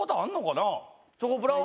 チョコプラは？